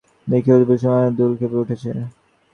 নিখিল, মুসলমানের দল ক্ষেপে উঠেছে।